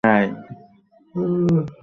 বদ্ধ উন্মাদের কাজ নাকি?